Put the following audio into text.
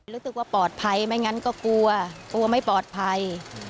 รู้สึกว่าปลอดภัยไม่งั้นก็กลัวกลัวไม่ปลอดภัย